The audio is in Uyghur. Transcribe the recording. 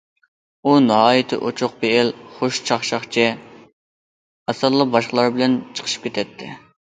ئۇ ناھايىتى ئوچۇق پېئىل، خۇش چاقچاقچى، ئاسانلا باشقىلار بىلەن چىقىشىپ كېتەتتى.